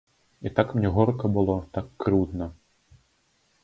І так мне горка было, так крыўдна.